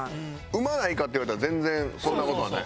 うまないかって言われたら全然そんな事はない。